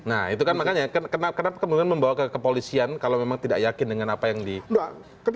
nah itu kan makanya kenapa kemudian membawa ke kepolisian kalau memang tidak yakin dengan apa yang diperlukan